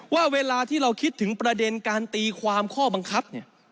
ว่าเวลาที่เราคิดถึงประเด็นการตีความข้อบังคับเนี่ย